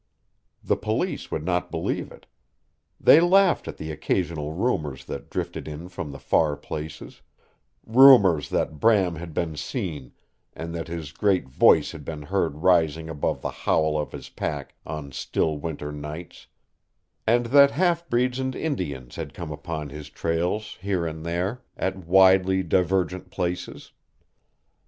The Police would not believe it. They laughed at the occasional rumors that drifted in from the far places; rumors that Bram had been seen, and that his great voice had been heard rising above the howl of his pack on still winter nights, and that half breeds and Indians had come upon his trails, here and there at widely divergent places.